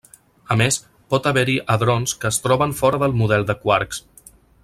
A més, pot haver-hi hadrons que es troben fora del model de quarks.